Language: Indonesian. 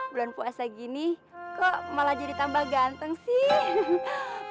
bulan puasa gini kok malah jadi tambah ganteng sih